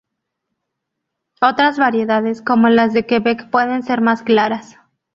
Otras variedades, como las de Quebec, pueden ser más claras.